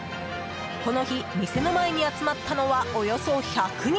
この日、店の前に集まったのはおよそ１００人！